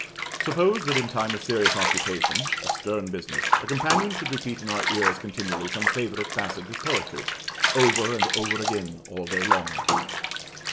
Suppose that in time of serious occupation, of stern business, a companion should repeat in our ears continually some favorite passage of poetry, over and over again all day long.